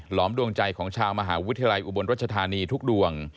อมดวงใจของชาวมหาวิทยาลัยอุบลรัชธานีทุกดวง